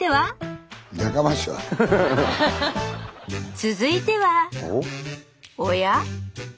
続いてはおや？